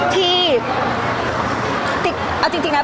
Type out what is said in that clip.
พี่ตอบได้แค่นี้จริงค่ะ